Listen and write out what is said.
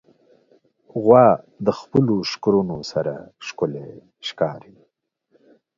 غوا د خپلو ښکرونو سره ښکلي ښکاري.